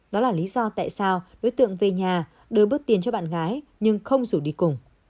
đó là lý do tại sao đối tượng về nhà đưa bớt tiền cho bạn gái nhưng không rủ đi cùng